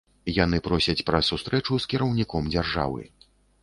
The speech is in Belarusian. Яны просяць пра сустрэчу з кіраўніком дзяржавы.